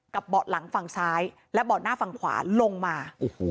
เบาะหลังฝั่งซ้ายและเบาะหน้าฝั่งขวาลงมา